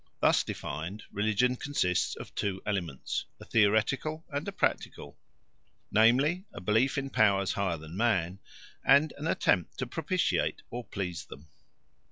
Thus defined, religion consists of two elements, a theoretical and a practical, namely, a belief in powers higher than man and an attempt to propitiate or please them.